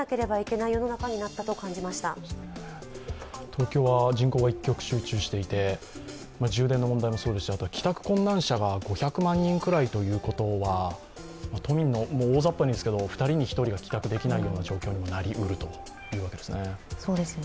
東京は人口が一極集中していて、充電の問題もそうですし、帰宅困難者が５００万人ぐらいということは都民の大ざっぱに２人に１人が帰宅できない状況になりうるということですね。